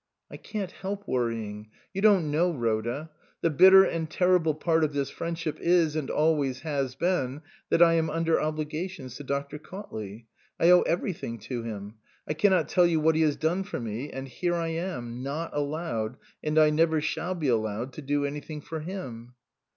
" I can't help worrying. You don't know, Rhoda. The bitter and terrible part of this friendship is, and always has been, that I am under obligations to Dr. Cautley. I owe every thing to him ; I cannot tell you what he has done for me, and here I am, not allowed, and I never shall be allowed, to do anything for him."